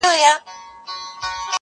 • حقيقت پوښتنه کوي له انسانه,